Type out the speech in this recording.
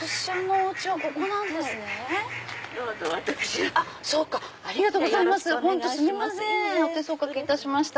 お手数おかけいたしました。